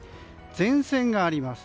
前線があります。